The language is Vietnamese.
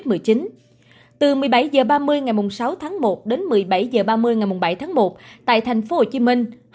từ một mươi bảy h ba mươi ngày sáu tháng một đến một mươi bảy h ba mươi ngày bảy tháng một tại tp hcm hai mươi